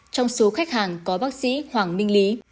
trong số khách hàng có bác sĩ hoàng minh lý